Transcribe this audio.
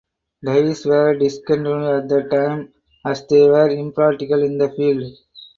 Ties were discontinued at that time as they were impractical in the field.